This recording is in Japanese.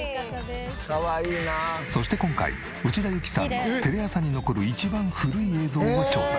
そして今回内田有紀さんのテレ朝に残る一番古い映像も調査。